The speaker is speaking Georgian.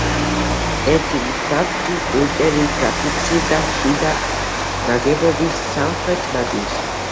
ერთი მსგავსი ჭურჭელი დაფიქსირდა შიდა ნაგებობის სამხრეთ ნაწილში.